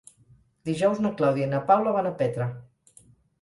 Dijous na Clàudia i na Paula van a Petra.